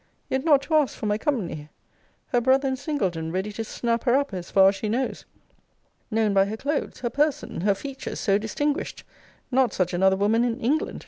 Yet not to ask for my company! Her brother and Singleton ready to snap her up, as far as she knows! Known by her clothes her person, her features, so distinguished! Not such another woman in England!